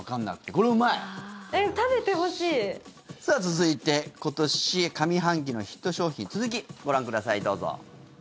これ、うまい？さあ、続いて今年上半期のヒット商品続きご覧ください、どうぞ。